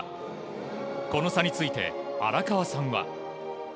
この差について、荒川さんは。